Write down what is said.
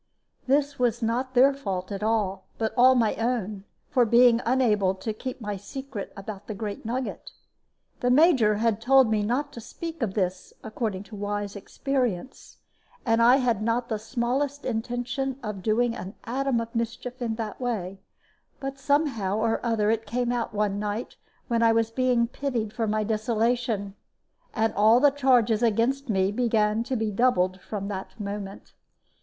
This was not their fault at all, but all my own, for being unable to keep my secret about the great nugget. The Major had told me not to speak of this, according to wise experience; and I had not the smallest intention of doing an atom of mischief in that way; but somehow or other it came out one night when I was being pitied for my desolation. And all the charges against me began to be doubled from that moment.